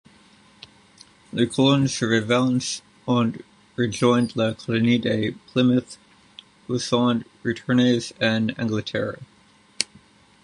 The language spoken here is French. Les colons survivants ont rejoint la colonie de Plymouth ou sont retournés en Angleterre.